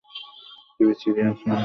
TV সিরিয়ালে করছেন, চলচ্চিত্রেও করছেন।